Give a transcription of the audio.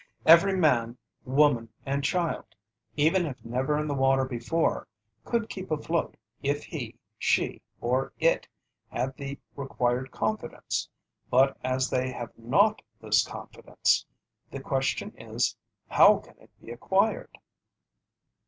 Every man, woman, and child even if never in the water before could keep afloat if he, she or it had the required confidence, but as they have not this confidence, the question is: "How can it be acquired?"